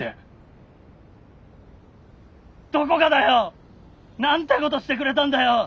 どこがだよ！なんてことしてくれたんだよ！